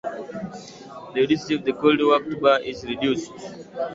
Thus, the ductility of the cold-worked bar is reduced.